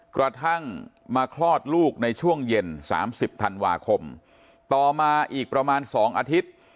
กระทั่งมาคลอดลูกในช่วงเย็น๓๐ธันวาคมต่อมาอีกประมาณ๒อาทิตย์